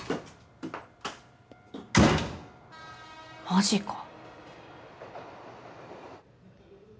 マジか。